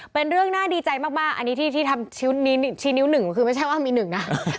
เป็นเรื่องน่าดีใจมากอันนี้ที่ทำชี้นิ้วหนึ่งคือไม่ใช่ว่ามีหนึ่งนะ